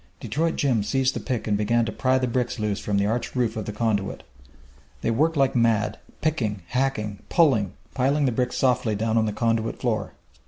Detroit Jim seized the pick and began to pry the bricks loose from the arched roof of the conduit. They worked like mad, picking, hacking, pulling, piling the bricks softly down on the conduit floor.